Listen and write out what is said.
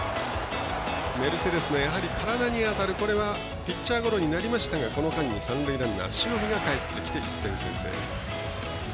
メルセデスの体に当たるピッチャーゴロになりましたがこの間に三塁ランナー塩見がかえってきて１点先制。